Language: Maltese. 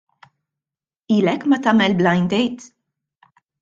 Ilek ma tagħmel blind date?